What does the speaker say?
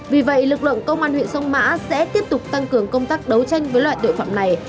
vì vậy lực lượng công an huyện sông mã sẽ tiếp tục tăng cường công tác đấu tranh với loại tội phạm này